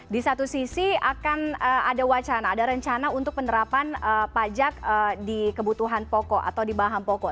di satu sisi akan ada wacana ada rencana untuk penerapan pajak di kebutuhan pokok atau di bahan pokok